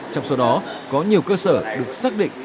trong số đó có nhiều cơ sở được xác định